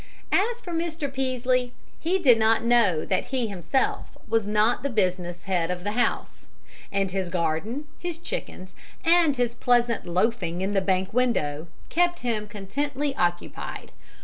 As for Mr. Peaslee, he did not know that he himself was not the business head of the house; and his garden, his chickens, and his pleasant loafing in the bank window kept him contentedly occupied.